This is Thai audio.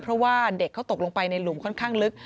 เพราะว่าเด็กเขาตกลงไปในหลุมค่อนข้างลึก